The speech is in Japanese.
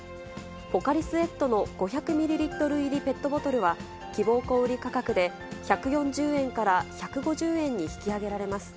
ポカリスエットの５００ミリリットル入りペットボトルは、希望小売り価格で１４０円から１５０円に引き上げられます。